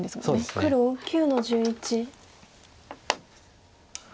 黒９の十一。